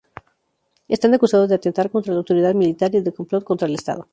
Están acusados de "atentar contra la autoridad militar" y de "complot contra el estado".